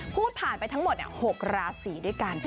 พูดผ่านไปทั้งหมด๖ราศีด้วยกัน